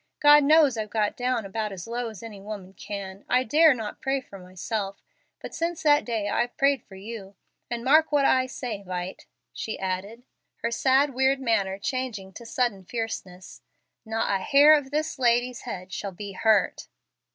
God knows I've got down about as low as any woman can. I dare not pray for myself, but since that day I've prayed for you. And mark what I say, Vight," she added, her sad, weird manner changing to sudden fierceness, "not a hair of this lady's head shall be hurt."